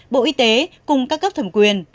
bộ y tế cùng các cấp thẩm quyền